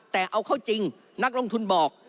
แต่เอาเข้าจริงนักลงทุนบอก